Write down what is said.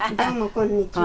こんにちは。